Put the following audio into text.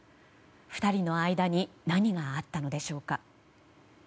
２人の間に何があったのでしょうか。